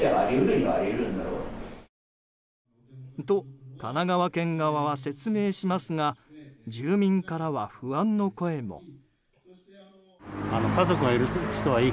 と、神奈川県側は説明しますが住民からは不安の声も。